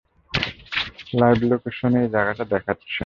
Live location এই জায়গাটা দেখাচ্ছে।